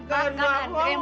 aku enggak mau makan ma